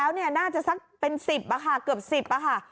เขาเนี่ยน่าจะสักเป็นสิบอะค่ะเกือบสิบอะค่ะ